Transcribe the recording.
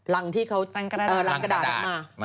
รังที่เขารังกระดาษออกมา